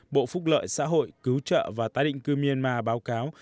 bộ phúc lợi xã hội cứu trợ và tái định cư myanmar báo cáo